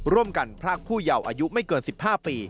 พรากผู้เยาว์อายุไม่เกิน๑๕ปี